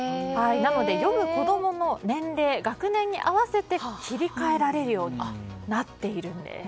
なので読む子供の年齢、学年に合わせて切り替えらえるようになっているんです。